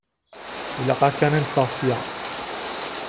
Ilaq-aɣ kan ad neffeɣ ssya.